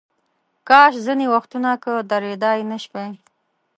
کاش ځینې وختونه که درېدای نشوای.